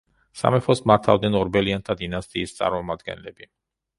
სამეფოს მართავდნენ ორბელიანთა დინასტიის წარმომადგენლები.